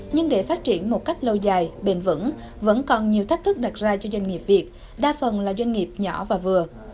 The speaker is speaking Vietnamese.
nhưng để phát triển một cách lâu dài bền vững vẫn còn nhiều thách thức đặt ra cho doanh nghiệp việt đa phần là doanh nghiệp nhỏ và vừa